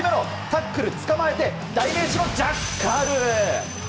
タックル、つかまえて代名詞のジャッカル！